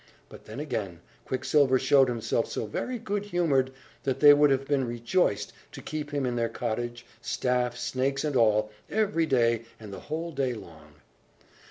But then, again, Quicksilver showed himself so very good humoured that they would have been rejoiced to keep him in their cottage, staff, snakes, and all, every day, and the whole day long.